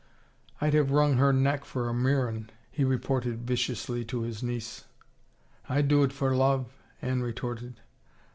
" I'd have wrung her neck for a murran," he reported viciously to his niece. " I'd do it for love," Anne retorted.